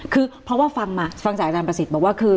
คือเพราะว่าฟังมาฟังจากอาจารย์ประสิทธิ์บอกว่าคือ